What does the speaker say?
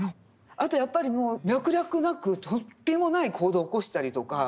あとやっぱり脈絡なく突飛もない行動を起こしたりとか